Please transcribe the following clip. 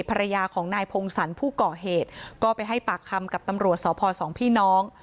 ภรรยาของนายพงศรผู้ก่อเหตุก็ไปให้ปากคำกับตำรวจสพสองพี่น้อง